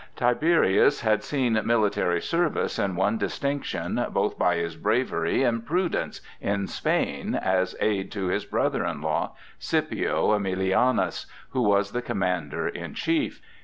Tiberius had seen military service and won distinction both by his bravery and prudence in Spain as aid to his brother in law, Scipio Æmilianus, who was the commander in chief.